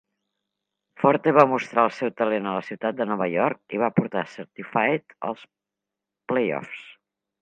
Forte va mostrar el seu talent a la ciutat de Nova York i va portar Certified als playoffs.